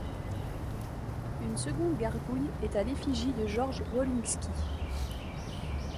Une seconde gargouille est à l'effigie de Georges Wolinski.